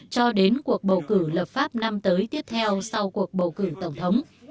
cho đến cuộc bầu cử lập pháp năm tới tiếp theo sau cuộc bầu cử tổng thống